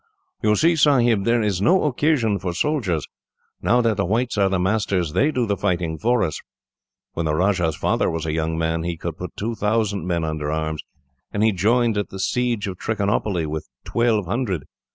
"You see, Sahib, there is no occasion for soldiers. Now that the whites are the masters, they do the fighting for us. When the Rajah's father was a young man, he could put two thousand men under arms, and he joined at the siege of Trichinopoly with twelve hundred.